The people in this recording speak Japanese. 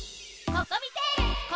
ココミテール！